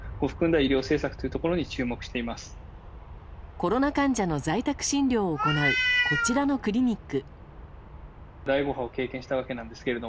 コロナ患者の在宅診療を行うこちらのクリニック。